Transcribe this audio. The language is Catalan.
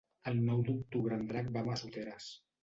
El nou d'octubre en Drac va a Massoteres.